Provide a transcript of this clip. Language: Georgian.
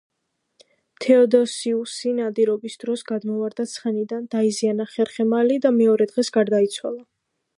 თეოდოსიუსი ნადირობის დროს გადმოვარდა ცხენიდან, დაიზიანა ხერხემალი და მეორე დღეს გარდაიცვალა.